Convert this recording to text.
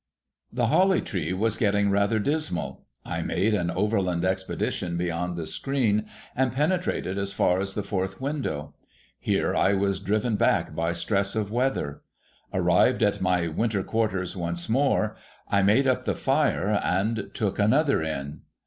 The Holly Tree was getting rather dismal. I made an overland expedition beyond the screen, and penetrated as far as the fourth window. Here I was driven back by stress of weather. Arrived A CORNISH INN 99 at my winter quarters once more, I made up the fire, and took another Inn.